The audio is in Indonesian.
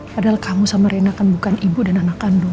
padahal kamu sama rena kan bukan ibu dan anak kandung